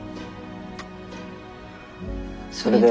それで。